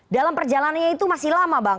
dalam perjalanannya itu masih lama bang